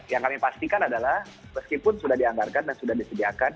yang kami pastikan adalah meskipun sudah dianggarkan dan sudah disediakan